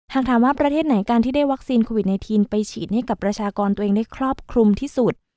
หากถามว่าประเทศไหนการที่ได้วัคซีนโควิด๑๙ไปฉีดให้กับประชากรตัวเองได้ครอบคลุมที่สุด